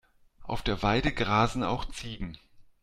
Auf der Weide grasen auch Ziegen.